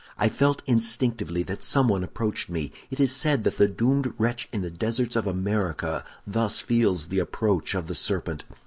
"I felt instinctively that someone approached me; it is said that the doomed wretch in the deserts of America thus feels the approach of the serpent.